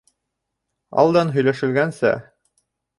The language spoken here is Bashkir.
Алдан һөйләшелгәнсә.